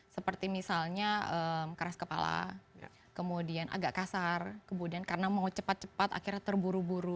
seperti misalnya keras kepala kemudian agak kasar kemudian karena mau cepat cepat akhirnya terburu buru